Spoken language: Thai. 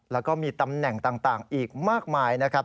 แล้วก็มีตำแหน่งต่างอีกมากมายนะครับ